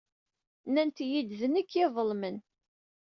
Nnant-iyi-d d nekk ay iḍelmen.